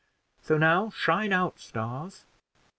So now shine out, stars!"